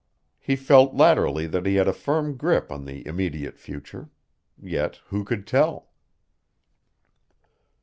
He felt latterly that he had a firm grip on the immediate future. Yet who could tell?